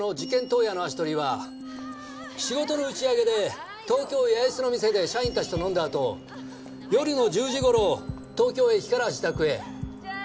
当夜の足取りは仕事の打ち上げで東京八重洲の店で社員たちと飲んだあと夜の１０時頃東京駅から自宅へ。